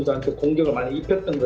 saya juga menarik dari thailand